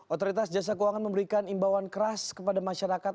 otoritas jasa keuangan memberikan imbauan keras kepada masyarakat